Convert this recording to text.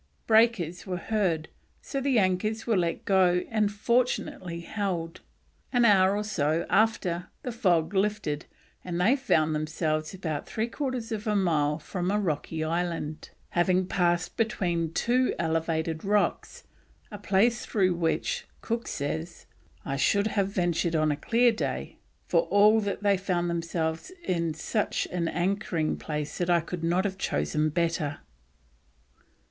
Breakers were heard, so the anchors were let go and fortunately held. An hour or so after the fog lifted, and they found themselves about three quarters of a mile from a rocky island, having passed between two elevated rocks, a place through with, Cook says, "I should have ventured on a clear day," for all that they found themselves in "such an anchoring place that I could not have chosen a better."